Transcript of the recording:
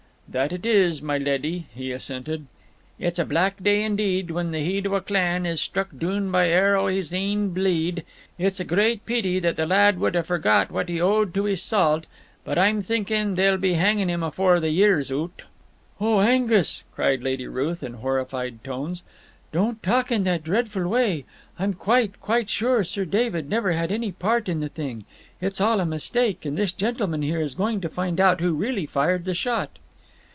"That it is, my leddy," he assented. "It's a black day indeed, when the heed o' a clan is struck doon by are o' his ain bleed. It's a great peety that the lad would ha' forgot what he owed to his salt. But I'm thinkin' they'll be hangin' him afore the year's oot." "Oh, Angus," cried Lady Ruth, in horrified tones, "don't talk in that dreadful way. I'm quite, quite sure Sir David never had any part in the thing. It's all a mistake, and this gentleman here is going to find out who really fired the shot."